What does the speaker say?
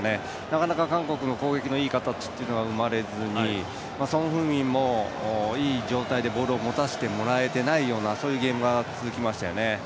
なかなか韓国の攻撃のいい形というのが生まれずにソン・フンミンもいい状態でボールを持たせてもらえていないような状態でそういうゲームが続きましたよね。